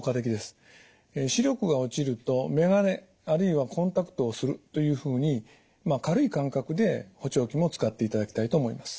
視力が落ちると眼鏡あるいはコンタクトをするというふうに軽い感覚で補聴器も使っていただきたいと思います。